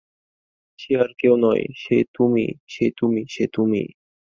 সে আর কেউ নয়, সে তুমিই, সে তুমিই, সে তুমিই।